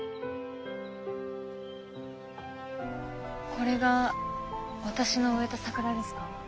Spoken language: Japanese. これが私の植えた桜ですか？